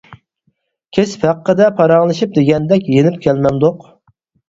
كەسىپ ھەققىدە پاراڭلىشىپ دېگەندەك يېنىپ كەلمەمدۇق.